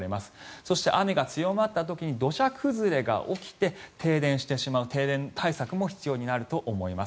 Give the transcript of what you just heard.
そして、雨が強まった時に土砂崩れが起きて停電してしまう、停電対策も必要になると思います。